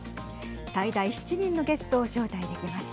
最大７人のゲストを招待できます。